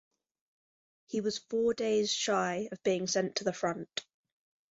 He was four days shy of being sent to the front.